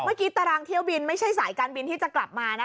ตารางเที่ยวบินไม่ใช่สายการบินที่จะกลับมานะคะ